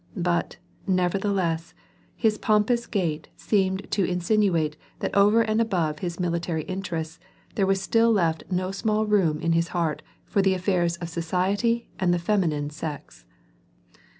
But, nevertheles8, his pompous gait seemed to insinuate that over and above his military interests there was still, left no small room in his heart for the affairs of society and the feminine sex.